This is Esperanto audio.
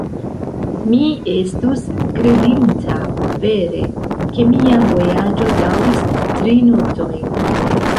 Mi estus kredinta, vere, ke mia vojaĝo daŭris tri noktojn.